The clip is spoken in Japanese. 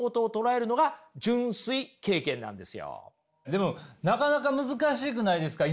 でもなかなか難しくないですか？